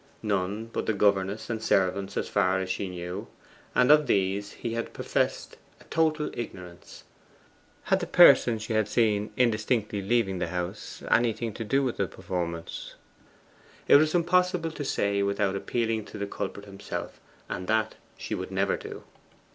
None but the governess and servants, as far as she knew, and of these he had professed a total ignorance. Had the person she had indistinctly seen leaving the house anything to do with the performance? It was impossible to say without appealing to the culprit himself, and that she would never do.